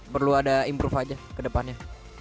perlu ada improve aja ke depannya